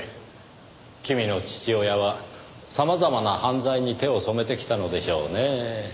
君の父親は様々な犯罪に手を染めてきたのでしょうねぇ。